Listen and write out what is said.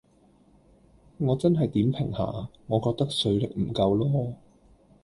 我真係點評下，我覺得水力唔夠囉